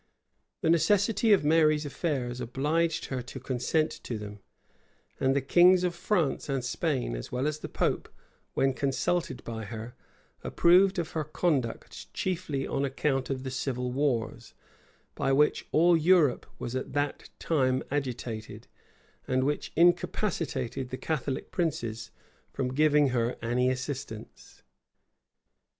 The necessity of Mary's affairs obliged her to consent to them; and the kings of France and Spain, as well as the pope, when consulted by her, approved of her conduct chiefly on account of the civil wars, by which all Europe was at that time agitated, and which incapacitated the Catholic princes from giving her any assistance.